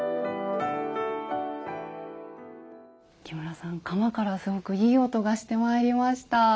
木村さん釜からすごくいい音がしてまいりました。